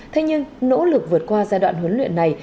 thế nhưng nỗ lực vượt qua giai đoạn huấn luyện này